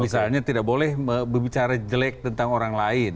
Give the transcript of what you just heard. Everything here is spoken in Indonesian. misalnya tidak boleh berbicara jelek tentang orang lain